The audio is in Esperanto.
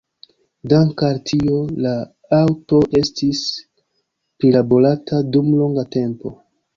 Danke al tio la aŭto estis prilaborata dum longa tempo.